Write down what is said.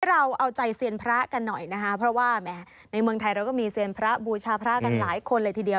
เราเอาใจเซียนพระกันหน่อยนะคะเพราะว่าแหมในเมืองไทยเราก็มีเซียนพระบูชาพระกันหลายคนเลยทีเดียว